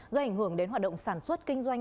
gây ảnh hưởng đến hoạt động sản xuất kinh doanh